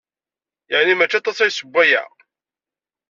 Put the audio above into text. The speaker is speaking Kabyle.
Yeɛni maci aṭas ay ssewwayeɣ.